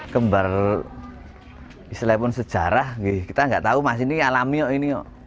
kembar setelah pun sejarah kita nggak tahu masih ini alami atau ini